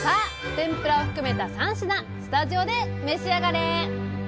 天ぷらを含めた３品スタジオで召し上がれ！